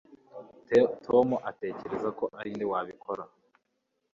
Tom atekereza ko ari nde wabikoze